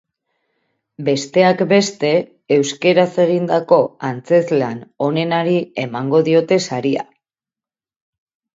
Besteak beste, euskaraz egindako antzezlan onenari emango diote saria.